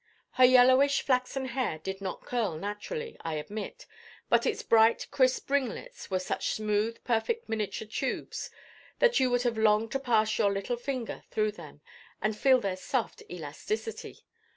Her yellowish flaxen hair did not curl naturally, I admit, but its bright crisp ringlets were such smooth, perfect miniature tubes, that you would have longed to pass your little finger through them, and feel their soft elasticity.